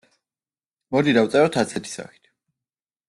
მოდი, დავწეროთ ასეთი სახით.